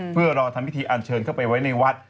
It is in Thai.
เพื่อรอทำพิธีอันเชิญเข้าไปไว้ในวัด